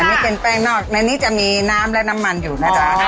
นี่เป็นแป้งนอกในนี้จะมีน้ำและน้ำมันอยู่นะจ๊ะ